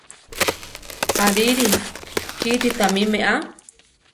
Arirí! kíti tamí meʼá!